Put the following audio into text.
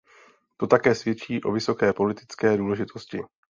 To také svědčí o vysoké politické důležitosti.